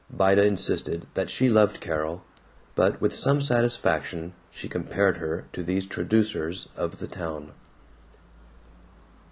Vida insisted that she loved Carol, but with some satisfaction she compared her to these traducers of the town.